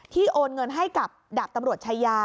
โอนเงินให้กับดาบตำรวจชายา